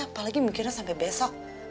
apalagi mikirnya sampai besok